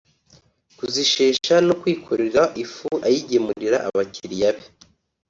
kuzishesha no kwikorera ifu ayigemurira abakiriya be